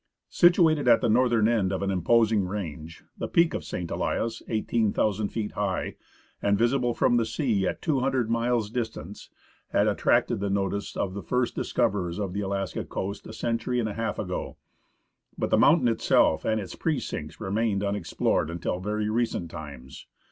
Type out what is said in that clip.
Situated at the northern end of an imposing range, the peak of St. Elias, 18,000 feet high, and visible from the sea at two hundred miles' distance, had attracted the notice of the first dis coverers of the Alaskan coast a century and a half ago. But the mountain itself and its precincts remained unexplored until very recent times.